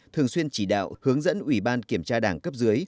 thường xuyên chỉ đạo hướng dẫn ủy ban kiểm tra đảng cấp dưới